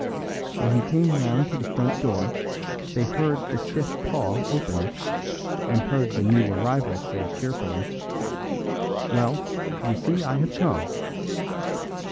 When he came round to the front door they heard the stiff Paul open it, and heard the new arrival say cheerfully, "Well, you see I have come."